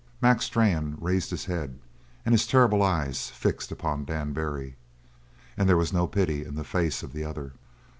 Mac Strann raised his head, and his terrible eyes fixed upon Dan Barry. And there was no pity in the face of the other.